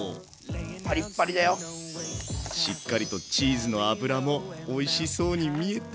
しっかりとチーズの脂もおいしそうに見えて。